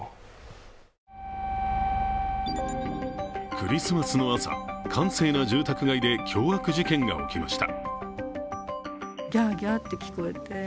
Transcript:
クリスマスの朝、閑静な住宅街で凶悪事件が起きました。